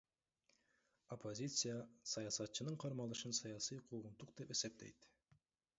Оппозиция саясатчынын кармалышын саясий куугунтук деп эсептейт.